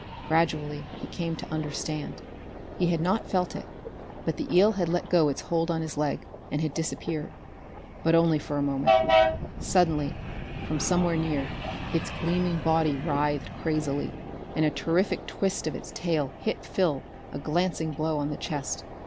Gradually he came to understand. He had not felt it, but the eel had let go its hold on his leg, and had disappeared. But only for a moment. Suddenly, from somewhere near, its gleaming body writhed crazily, and a terrific twist of its tail hit Phil a glancing blow on the chest.